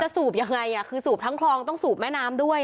สูบยังไงคือสูบทั้งคลองต้องสูบแม่น้ำด้วย